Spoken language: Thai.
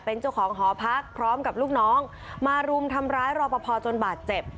เป็นเจ้าของหอพักพร้อมกับลูกน้องมารุมทำร้ายรอปภจนบาดเจ็บ